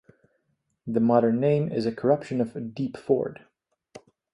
The modern name is a corruption of "deep ford".